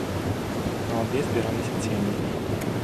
На лбе збіраліся цені.